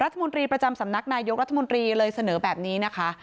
รัฐมนตรีประจำสำนักนายกรัฐมนตรีเลยเสนอแบบนี้นะคะ